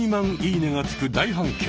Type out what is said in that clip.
「いいね」がつく大反響。